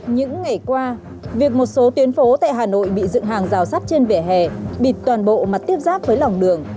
những ngày qua việc một số tuyến phố tại hà nội bị dựng hàng giao sát trên vẻ hè bịt toàn bộ mặt tiếp giáp với lòng đường